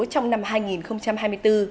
trong năm hai nghìn hai mươi bốn